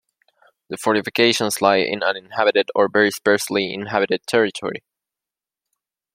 The fortifications lie in uninhabited or very sparsely inhabited territory.